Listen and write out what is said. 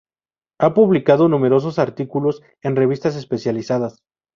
Ha publicado numerosos artículos en revistas especializadas.